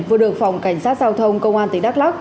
vừa được phòng cảnh sát giao thông công an tỉnh đắk lắc